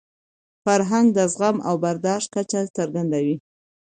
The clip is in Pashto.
فرهنګ د زغم او برداشت کچه څرګندوي.